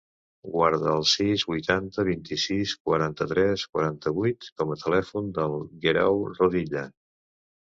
Guarda el sis, vuitanta, vint-i-sis, quaranta-tres, quaranta-vuit com a telèfon del Guerau Rodilla.